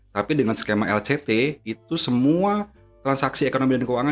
tapi dengan skema lctt itu hanya untuk trade perdagangan dan untuk direct investment seperti itu